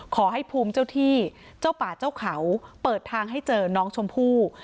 ขอให้ภูมิเจ้าที่เจ้าป่าเจ้าเขาเปิดทางให้เจอน้องชมพู่